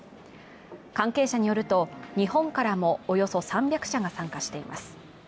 関係者によると、日本からもおよそ３００社が参加しています。